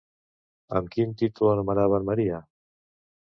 Amb quin títol anomenaven Maria?